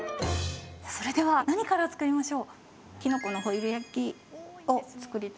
それでは何から作りましょう？